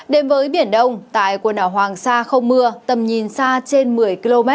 đến với biển đông tại quần đảo hoàng sa không mưa tầm nhìn xa trên một mươi km